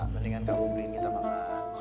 mendingan kamu beliin kita makan